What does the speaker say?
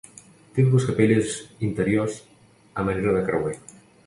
Té dues capelles interiors a manera de creuer.